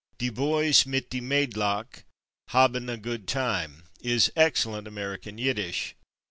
"Die /boys/ mit die /meidlach/ haben a good time" is excellent American Yiddish.